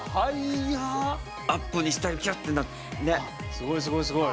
すごいすごいすごい。